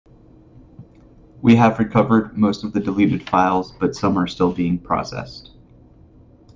We have recovered most of the deleted files, but some are still being processed.